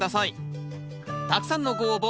たくさんのご応募